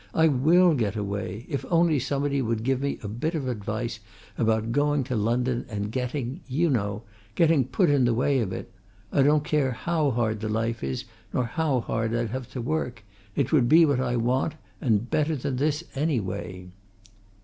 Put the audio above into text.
I will get away! if only somebody would give me a bit of advice about going to London and getting you know getting put in the way of it. I don't care how hard the life is, nor how hard I'd have to work it would be what I want, and better than this anyway!"